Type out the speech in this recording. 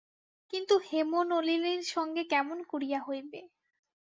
কিন্তু হেমনলিনীর সঙ্গে কেমন করিয়া হইবে?